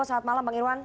selamat malam bang irwan